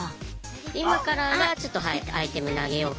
今からがちょっとアイテム投げようかなって。